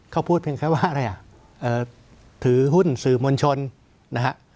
เขาพูดเพียงแค่ว่าอะไรอ่ะถือหุ้นสื่อมวลชนนะฮะ